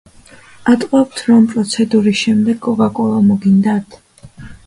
ატყობთ, რომ პროცედურის შემდეგ კოკა-კოლა მოგინდათ?